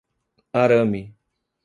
Arame